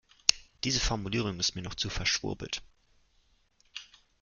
Diese Formulierung ist mir noch zu verschwurbelt.